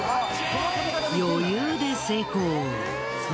余裕で成功。